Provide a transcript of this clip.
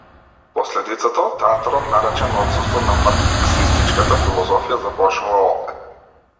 Последицата од театарот наречен отсуство на марксистичката филозофија, започнува овде.